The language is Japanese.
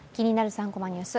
３コマニュース」